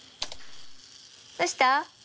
どうした？